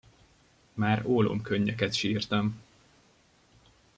Már ólomkönnyeket sírtam.